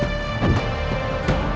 aku mau ke kanjeng itu